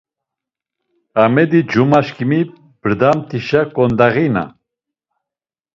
Amedi, cumaşǩimi brdamt̆işa ǩondağina…